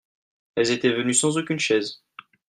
Elles étaient venus sans aucune chaise.